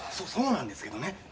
そうなんですけどね